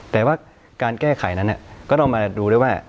แต่ว่าการแก้ไขนั้นก็ต้องมาดูด้วยว่า